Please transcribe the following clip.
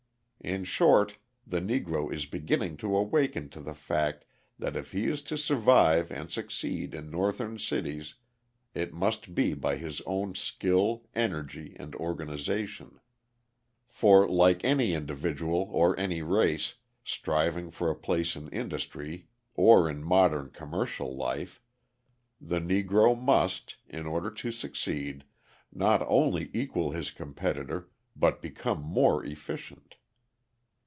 In short, the Negro is beginning to awaken to the fact that if he is to survive and succeed in Northern cities, it must be by his own skill, energy, and organisation. For, like any individual or any race, striving for a place in industry or in modern commercial life, the Negro must, in order to succeed, not only equal his competitor, but become more efficient.